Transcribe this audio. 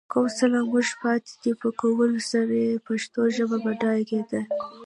کوم څه له موږ پاتې دي، په کولو سره يې پښتو ژبه بډايه کېدای